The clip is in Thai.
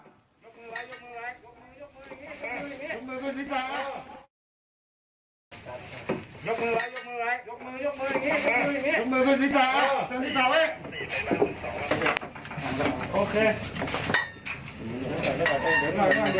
ผู้จัดประตูแบบนั้นแน่ที่มันต้องรอดส่วนต้นหนังบองส่วนต้นนังใด